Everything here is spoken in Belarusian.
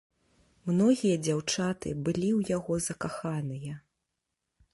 Многія дзяўчаты былі ў яго закаханыя.